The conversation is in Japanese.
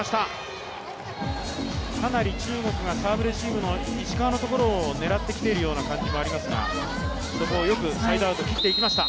かなり中国がサーブレシーブの石川のところを狙ってきている感じもありますが、そこをよくサイドアウトに切っていきました。